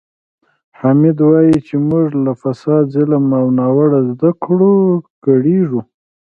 حامد وایي چې موږ له فساد، ظلم او ناوړه زده کړو کړېږو.